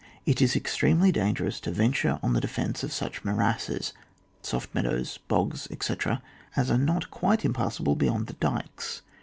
It is extremely dangerous to venture on the defence of such morasses, soft meadows, bogs, etc., as are not quite im passable beyoud the dykes.